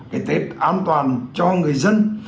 cái tết an toàn cho người dân